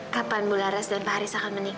kapan tante laras dan pak haris akan berdua